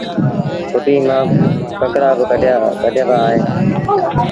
ڦُٽيٚ مآݩ ڪڪڙآ با ڪڍيآ وهيݩ دآ